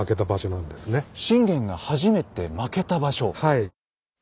はい。